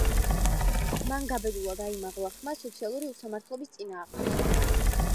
მან გაბედულად აიმაღლა ხმა სოციალური უსამართლობის წინააღმდეგ.